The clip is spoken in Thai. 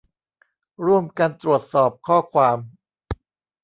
ร่วมกันตรวจสอบข้อความ